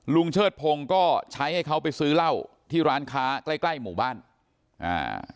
เชิดพงศ์ก็ใช้ให้เขาไปซื้อเหล้าที่ร้านค้าใกล้ใกล้หมู่บ้านอ่า